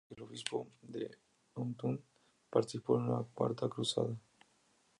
Junto con el obispo de Autun, participó en la Cuarta Cruzada.